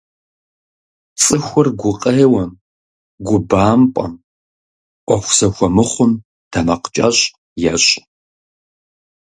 Цӏыхур гукъеуэм, губампӏэм, ӏуэху зэхуэмыхъум тэмакъкӏэщӏ ещӏ.